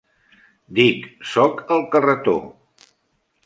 Dic, sóc al carretó.